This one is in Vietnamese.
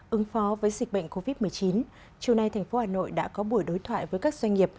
ứng phó với dịch bệnh covid một mươi chín chiều nay thành phố hà nội đã có buổi đối thoại với các doanh nghiệp